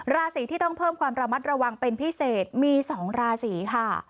ราศีที่ต้องเพิ่มความระมัดระวังเป็นพิเศษมี๒ราศีค่ะ